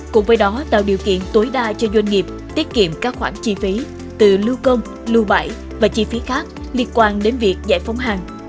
cùng với đó tạo điều kiện tối đa cho doanh nghiệp tiết kiệm các khoản chi phí từ lưu công lưu bãi và chi phí khác liên quan đến việc giải phóng hàng